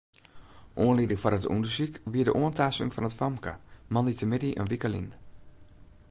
Oanlieding foar it ûndersyk wie de oantaasting fan in famke moandeitemiddei in wike lyn.